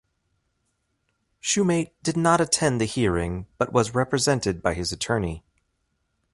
Shumate did not attend the hearing but was represented by his attorney.